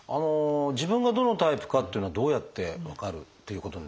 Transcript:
自分がどのタイプかっていうのはどうやって分かるということになるんでしょう？